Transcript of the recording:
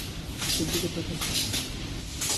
নিচের দিকে তাকা।